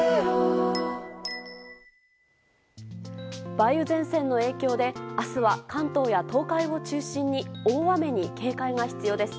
梅雨前線の影響で明日は関東や東海を中心に大雨に警戒が必要です。